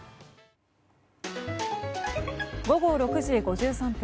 午後６時５３分。